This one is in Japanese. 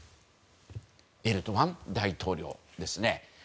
エルドアン大統領ですね。